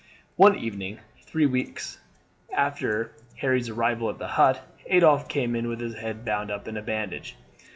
One evening, three weeks after Harry's arrival at the hut, Adolphe came in with his head bound up by a bandage.